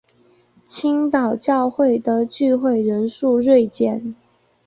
青岛教会的聚会人数锐减。